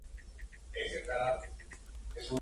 Fue diseñado por el arquitecto Thomas Boada..